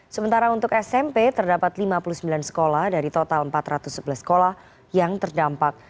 sementara untuk smp terdapat lima puluh sembilan sekolah dari total empat ratus sebelas sekolah yang terdampak